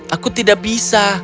aku tidak bisa